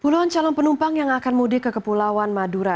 puluhan calon penumpang yang akan mudik ke kepulauan madura